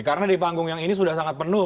karena di panggung yang ini sudah sangat penuh